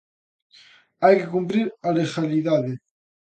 Hai que cumprir a legalidade.